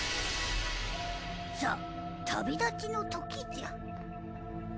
さぁ旅立ちのときじゃ。